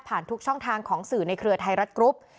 ทุกช่องทางของสื่อในเครือไทยรัฐกรุ๊ป